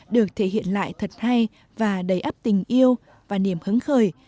được thể hiện lại thật hay và đầy áp tình yêu và niềm hứng khởi